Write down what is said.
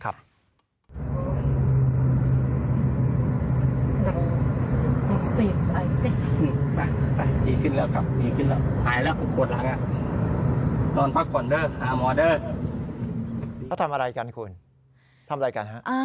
เขาทำอะไรกันคุณทำอะไรกันฮะ